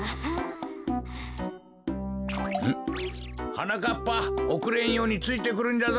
はなかっぱおくれんようについてくるんじゃぞ。